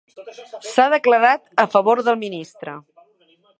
S'ha declarat a favor del ministre.